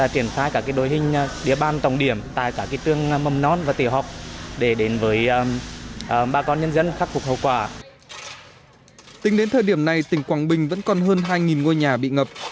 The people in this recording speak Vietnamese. tính đến thời điểm này tỉnh quảng bình vẫn còn hơn hai ngôi nhà bị ngập